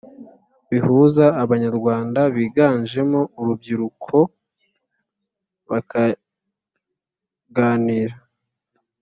Bihuza abanyarwanda biganjemo urubyiruko bakaganira